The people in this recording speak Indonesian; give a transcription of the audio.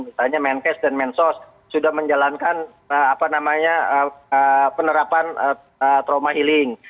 misalnya menkes dan mensos sudah menjalankan penerapan trauma healing